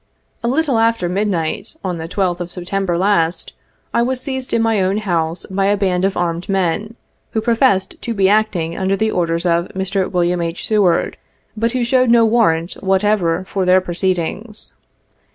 A little after midnight on the 12th of September last, I was seized in my own house by a band of armed men, who professed to be acting under the oi'ders of Mr. Wm. H. Seward, but who showed no warrant whatever for their proceedings.